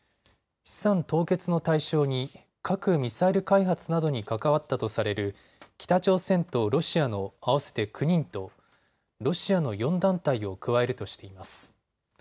資産凍結の対象に核・ミサイル開発などに関わったとされる北朝鮮とロシアの合わせて９人とロシアの４団体を加えるとしています。